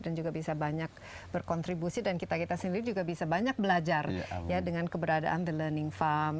dan juga bisa banyak berkontribusi dan kita kita sendiri juga bisa banyak belajar ya dengan keberadaan the learning farm